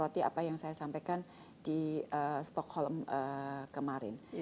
jadi saya ingin menganggarkan apa yang saya sampaikan di stockholm kemarin